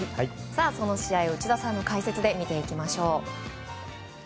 その試合を内田さんの解説で見ていきましょう。